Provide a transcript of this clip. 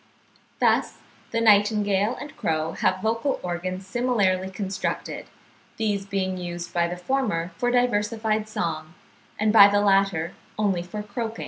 Thus, the nightingale and crow have vocal organs similarly constructed, these being used by the former for diversified song, and by the latter only for croaking.